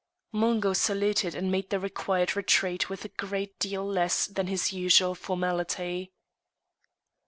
Mungo saluted and made the required retreat with a great deal less than his usual formality.